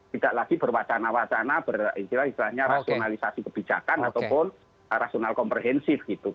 tidak lagi berwacana wacana beristilah istilahnya rasionalisasi kebijakan ataupun rasional komprehensif gitu